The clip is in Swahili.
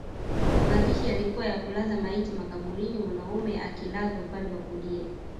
Mazishi yalikuwa ya kulaza maiti makaburini mwanaume akilazwa upande wa kulia